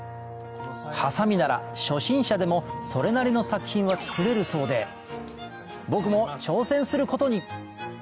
ハサミなら初心者でもそれなりの作品は作れるそうで僕も挑戦することに！